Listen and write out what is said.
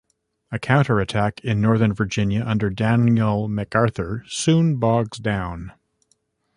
A counter-attack in northern Virginia under Daniel MacArthur soon bogs down.